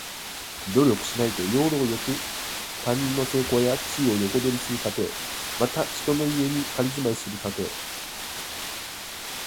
努力しないで、要領よく他人の成功や地位を横取りするたとえ。また、人の家に仮住まいするたとえ。